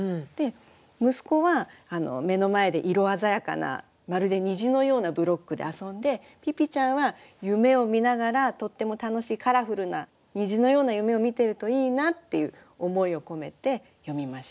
息子は目の前で色鮮やかなまるで虹のようなブロックで遊んでピピちゃんは夢を見ながらとっても楽しいカラフルな虹のような夢を見てるといいなっていう思いを込めて詠みました。